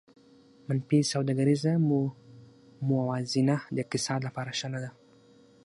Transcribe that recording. منفي سوداګریزه موازنه د اقتصاد لپاره ښه نه ده